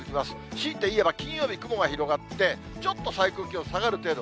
強いて言えば、金曜日、雲が広がって、ちょっと最高気温下がる程度。